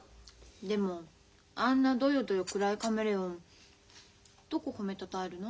でもあんなどよどよ暗いカメレオンどこ褒めたたえるの？